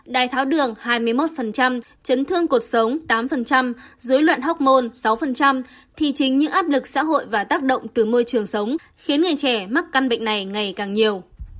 đai tháo đường hai mươi một chấn thương cuộc sống tám dối loạn hoc mon sáu thì chính những áp lực xã hội và tác động từ môi trường sống khiến người trẻ mắc căn bệnh này ngày càng nhiều